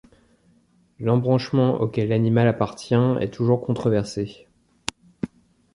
L'embranchement auquel l'animal appartient est toujours controversé.